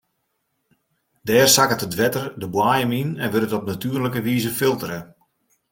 Dêr sakket it wetter de boaiem yn en wurdt it op natuerlike wize filtere.